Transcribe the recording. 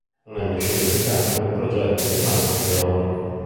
Non è mai sceso in campo e il progetto è rimasto teorico.